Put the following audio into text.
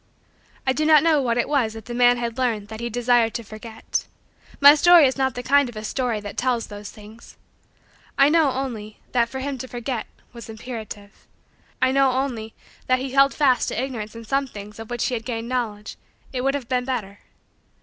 I do not know what it was that the man had learned that he desired to forget. My story is not the kind of a story that tells those things. I know, only, that for him to forget was imperative. I know, only, that had he held fast to Ignorance in some things of which he had gained knowledge, it would have been better.